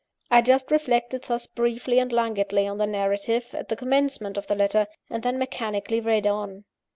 I just reflected thus briefly and languidly on the narrative at the commencement of the letter; and then mechanically read on.